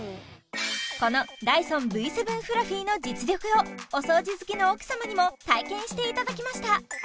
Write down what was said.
このダイソンＶ７フラフィの実力をお掃除好きの奥様にも体験していただきました